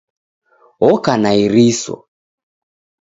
Oka na iriso